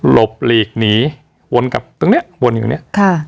หลบหลีกหนีวนกลับตรงนี้วนอยู่นี้